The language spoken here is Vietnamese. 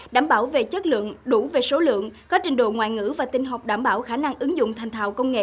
đảm bảo về chất lượng đủ về số lượng có trình độ ngoại ngữ và tinh học đảm bảo khả năng ứng dụng thành thạo công nghệ